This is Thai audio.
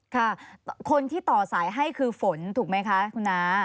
ค่ะคนที่ต่อสายให้คือฝนถูกไหมคะคุณน้า